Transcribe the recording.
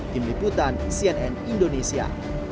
tim liputan cnn indonesia